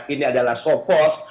ini adalah sopos